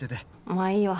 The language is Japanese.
まあいいわ。